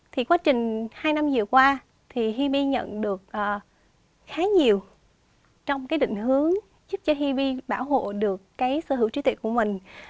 thì quá trình hai năm vừa qua thì hip nhận được khá nhiều trong cái định hướng giúp cho hip bảo hộ được cái sở hữu trí tuệ của mình